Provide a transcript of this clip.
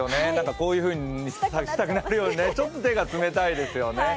こういうふうにしたくなるように、ちょっと手が冷たいですね。